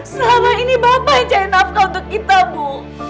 selama ini bapak cari nafkah untuk kita bu